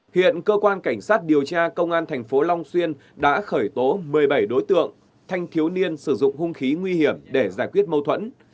hiện cơ quan cảnh sát điều tra công an thành phố long xuyên đã khởi tố một mươi bảy đối tượng thanh thiếu niên sử dụng hung khí nguy hiểm để giải quyết mâu thuẫn